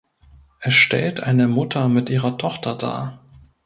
Es stellt eine Mutter mit ihrer Tochter dar.